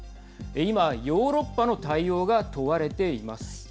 今、ヨーロッパの対応が問われています。